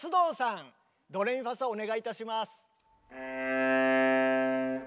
ドレミファソお願いいたします。